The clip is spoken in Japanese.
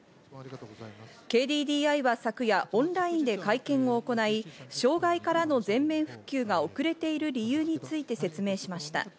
ＫＤＤＩは昨夜、オンラインで会見を行い、障害からの全面復旧が遅れている理由について説明しました。